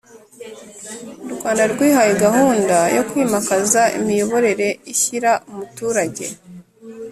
U Rwanda rwihaye gahunda yo kwimakaza imiyoborere ishyira umuturage